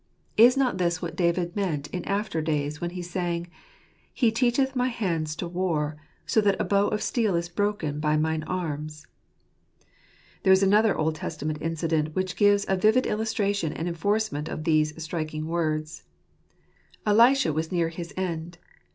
Is not this what David meant in after days, when he sang, " He teachelh my hands to war, So that a bow of steel is broken By mine arms "? There is another Old Testament incident, which gives a vivid illustration and enforcement of these striking words. Elisha was near his end.